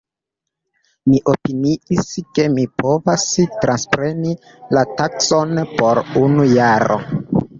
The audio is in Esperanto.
Mi opiniis ke mi povas transpreni la taskon por unu jaro.